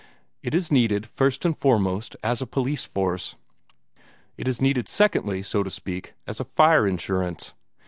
It is needed, first and foremost, as a police force. It is needed, secondly, so to speak, as a fire insurance.